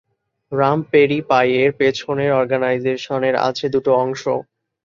Raspberry পাইয়ের পেছনের অর্গানাইজেশনের আছে দুটো অংশ।